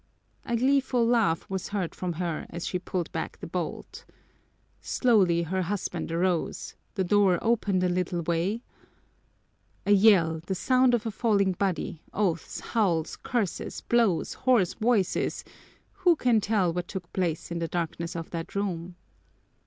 A gleeful laugh was heard from her as she pulled back the bolt. Slowly her husband arose, the door opened a little way A yell, the sound of a falling body, oaths, howls, curses, blows, hoarse voices who can tell what took place in the darkness of that room?